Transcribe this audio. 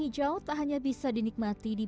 itu tanamnya satu kali kita bisa